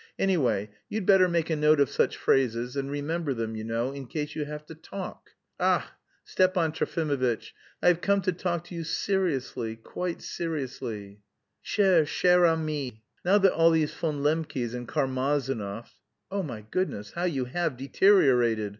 Anyway, you'd better make a note of such phrases, and remember them, you know, in case you have to talk.... Ach, Stephan Trofimovitch. I have come to talk to you seriously, quite seriously." "Chère, chère amie!" "Now that all these Von Lembkes and Karmazinovs.... Oh, my goodness, how you have deteriorated!...